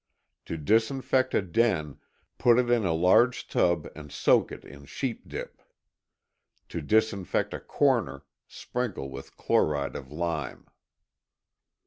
To disinfect a den, put it in a large tub and soak it in ŌĆ£sheep dipŌĆØ. To disinfect a corner, sprinkle with chloride of lime.